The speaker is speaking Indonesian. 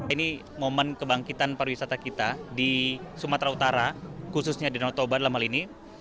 ini momen kebangkitan pariwisata kita di sumatera utara khususnya di danau toba dalam hal ini